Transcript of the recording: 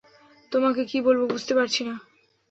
তোমাকে কী বলব বুঝতে পারছি না।